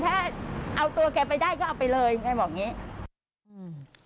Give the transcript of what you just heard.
แค่เอาตัวแกไปได้ก็เอาไปเลยแกบอกอย่างงี้อืม